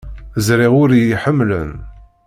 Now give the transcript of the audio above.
Ẓriɣ ur iyi-ḥemmlen.